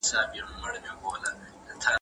کورنۍ د شخصیت جوړونې لومړی مرکز دی.